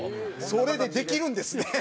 それでできるんですね。